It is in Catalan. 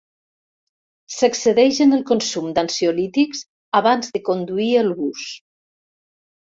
S'excedeix en el consum d'ansiolítics abans de conduir el bus.